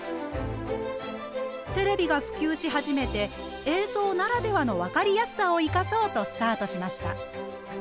テレビが普及し始めて映像ならではの分かりやすさをいかそうとスタートしました。